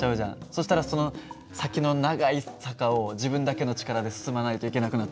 そしたらその先の長い坂を自分だけの力で進まないといけなくなっちゃう。